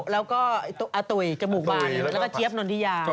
แล้วก็อาตุ๋ยแล้วก็เจี๊ยบนอนธิยา